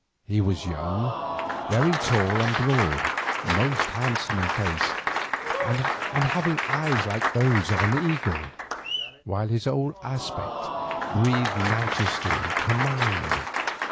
He was young, very tall and broad, most handsome in face, and having eyes like those of an eagle, while his whole aspect breathed majesty and command.